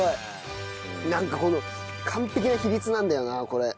なんかこの完璧な比率なんだよなこれ。